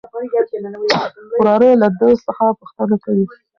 وراره يې له ده څخه پوښتنه کوي.